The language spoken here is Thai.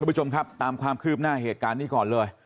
ผู้ชมครับตามความคืบหน้าเหตุการณ์นี้ก่อนเลย